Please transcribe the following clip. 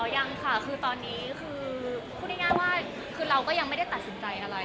ยังค่ะคือตอนนี้คือพูดง่ายว่าคือเราก็ยังไม่ได้ตัดสินใจอะไร